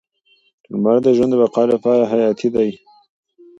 لمر د ژوند د بقا لپاره حیاتي دی.